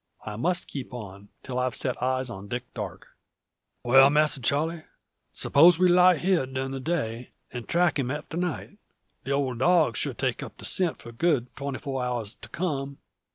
I must keep on, till I've set eyes on Dick Darke." "Well, Masser Charle, s'pose we lie hid durin' the day, an' track him after night? The ole dog sure take up the scent for good twenty four hours to come.